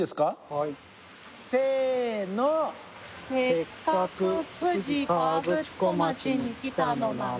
はい「せっかく富士河口湖町に来たのなら」